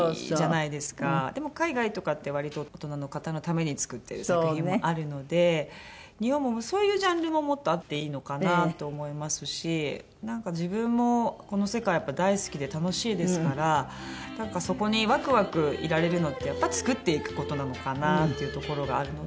でも海外とかって割と大人の方のために作ってる作品もあるので日本もそういうジャンルももっとあっていいのかなと思いますしなんか自分もこの世界やっぱ大好きで楽しいですからそこにワクワクいられるのってやっぱ作っていく事なのかなっていうところがあるので。